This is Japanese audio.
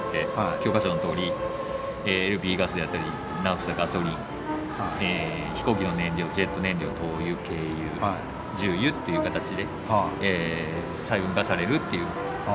教科書のとおりＬＰガスであったりナフサガソリン飛行機の燃料ジェット燃料灯油軽油重油っていう形で細分化されるっていう工程になります。